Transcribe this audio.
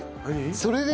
それで？